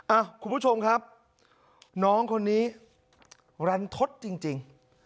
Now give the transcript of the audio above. อ้าคุณผู้ชมครับน้องคนนี้รันทดจริงจริง